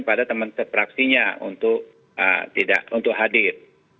pada teman sepraksinya untuk hadir